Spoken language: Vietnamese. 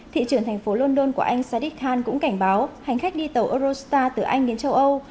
thị trường thành phố london của anh sadik khan cũng cảnh báo hành khách đi tàu eurostar từ anh đến châu âu